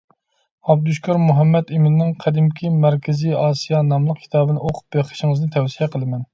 ئابدۇشۈكۈر مۇھەممەتئىمىننىڭ «قەدىمكى مەركىزىي ئاسىيا» ناملىق كىتابىنى ئوقۇپ بېقىشىڭىزنى تەۋسىيە قىلىمەن.